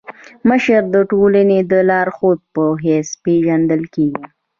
مشر د ټولني د لارښود په حيث پيژندل کيږي.